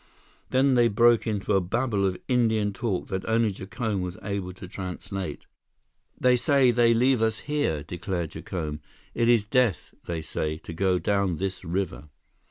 Then they broke into a babble of Indian talk that only Jacome was able to translate. "They say they leave us here," declared Jacome. "It is death, they say, to go down this river."